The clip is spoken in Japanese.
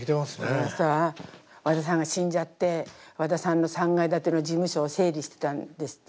あのさ和田さんが死んじゃって和田さんの３階建ての事務所を整理してたんですって。